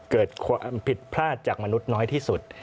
เกิดความผิดพลาดจากมนุษย์น้อยที่สุด